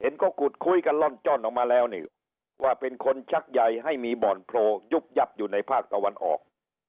ก็ขุดคุยกันล่อนจ้อนออกมาแล้วนี่ว่าเป็นคนชักใยให้มีบ่อนโผล่ยุบยับอยู่ในภาคตะวันออก